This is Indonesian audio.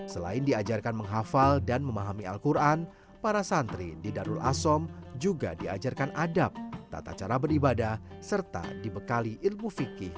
selain diajarkan menghafal dan memahami al quran para santri di darul asom juga diajarkan adab tata cara beribadah serta dibekali ilmu fikih